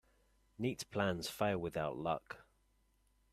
Neat plans fail without luck.